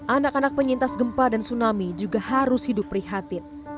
anak anak penyintas gempa dan tsunami juga harus hidup prihatin